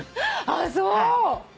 あっそう！？